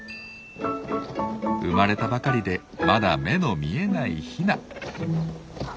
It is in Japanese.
生まれたばかりでまだ目の見えないヒナ。